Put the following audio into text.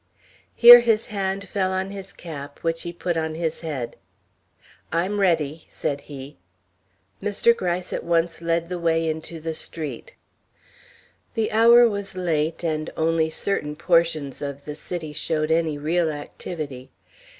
Here his hand fell on his cap, which he put on his head. "I'm ready," said he. Mr. Gryce at once led the way into the street. The hour was late, and only certain portions of the city showed any real activity.